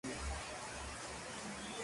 El autor de "Parpadeo" es Steven Moffat.